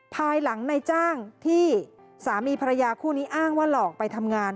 ภายหลังในจ้างที่สามีภรรยาคู่นี้อ้างว่าหลอกไปทำงาน